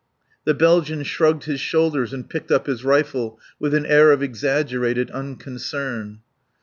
The Belgian shrugged his shoulders and picked up his rifle with an air of exaggerated unconcern.